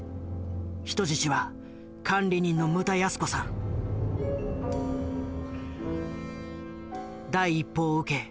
人質は管理人の第一報を受け